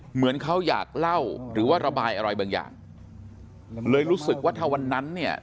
เหมือนเขาอยากเล่าหรือว่าระบายอะไรบางอย่างเลยรู้สึกว่าถ้าวันนั้นเนี่ย